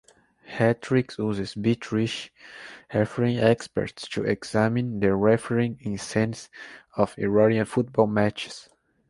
Hattrick uses British refereeing experts to examine the refereeing scenes of Iranian football matches.